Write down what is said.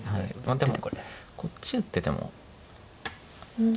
でもこっち打ってても。